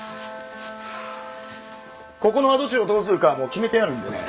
ここの跡地をどうするかはもう決めてあるんでね。